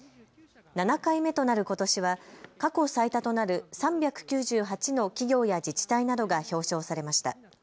７回目となることしは過去最多となる３９８の企業や自治体などが表彰されました。